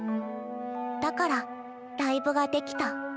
だからライブができた。